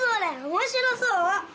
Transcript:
面白そう！